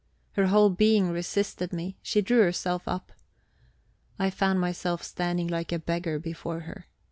Her whole being resisted me; she drew herself up. I found myself standing like a beggar before her.